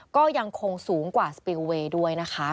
ก็ยังคงสูงกว่าสปิลเวย์ด้วยนะคะ